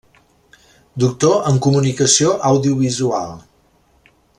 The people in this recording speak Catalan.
Doctor en Comunicació Audiovisual.